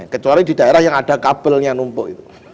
kecuali di daerah yang ada kabelnya numpuk itu